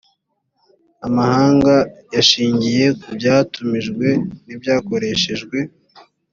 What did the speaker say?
amahanga yashingiye ku byatumijwe n’ibyakoreshejwe.